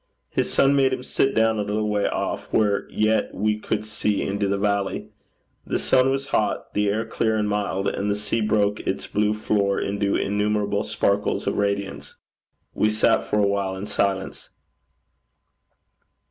His son made him sit down a little way off, where yet we could see into the valley. The sun was hot, the air clear and mild, and the sea broke its blue floor into innumerable sparkles of radiance. We sat for a while in silence.